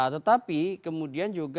tetapi kemudian juga